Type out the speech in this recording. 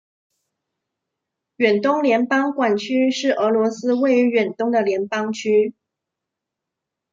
远东联邦管区是俄罗斯位于远东的联邦区。